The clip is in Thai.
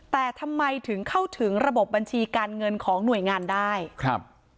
แต่ทำไมถึงเข้าถึงระบบบัญชีการเงินของหน่วยงานได้ครับ